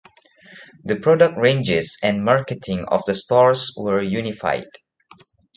The product ranges and marketing of the stores were unified.